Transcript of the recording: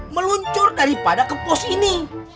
meluncur daripada ke pos ini